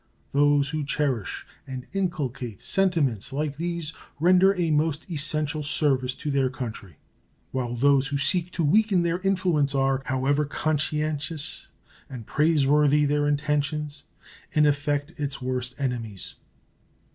Those who cherish and inculcate sentiments like these render a most essential service to their country, while those who seek to weaken their influence are, how ever conscientious and praise worthy their intentions, in effect its worst enemies.